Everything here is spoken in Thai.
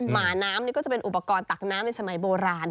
หมาน้ำนี่ก็จะเป็นอุปกรณ์ตักน้ำในสมัยโบราณ